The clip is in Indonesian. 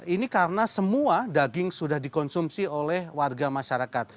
ini karena semua daging sudah dikonsumsi oleh warga masyarakat